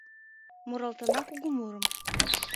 Муралтена куку мурым